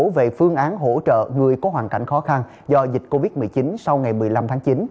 về phương án hỗ trợ người có hoàn cảnh khó khăn do dịch covid một mươi chín sau ngày một mươi năm tháng chín